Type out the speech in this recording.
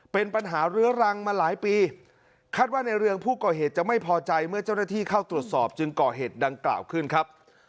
เป็นปัญหาเรื้อรังมาหลายปีคาดว่าในเรืองผู้ก่อเหตุจะไม่พอใจเมื่อเจ้าหน้าที่เข้าตรวจสอบจึงก่อเหตุดังกล่าวขึ้นครับ